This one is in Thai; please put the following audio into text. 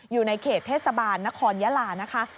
อยู่ในเขตเทศบาลนครยาลานะคะ